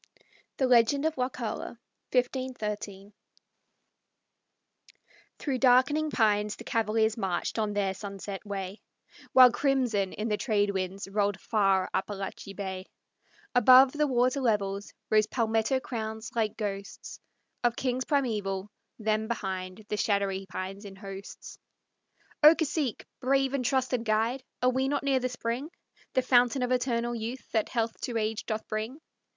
THE LEGEND OF WAUKULLA Through darkening pines the cavaliers marched on their sunset way, While crimson in the trade winds rolled far Appalachee Bay, Above the water levels rose palmetto crowns like ghosts Of kings primeval; them, behind, the shadowy pines in hosts. "O cacique, brave and trusty guide, Are we not near the spring, The fountain of eternal youth that health to age doth bring?"